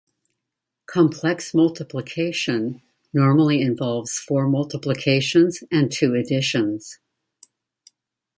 Complex multiplication normally involves four multiplications and two additions.